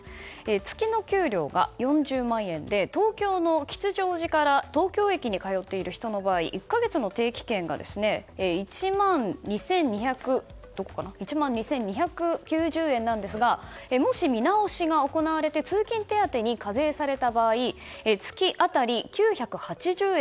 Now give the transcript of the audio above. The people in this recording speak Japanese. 月の給料が４０万円で東京の吉祥寺から東京駅に通っている人の場合１か月の定期券が１万２２９０円なんですがもし見直しが行われて通勤手当に課税された場合月当たり９８０円